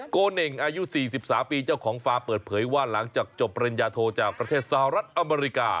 โกเน่งอายุ๔๓ปีเจ้าของฟาร์มเปิดเผยว่าหลังจากจบปริญญาโทจากประเทศสหรัฐอเมริกา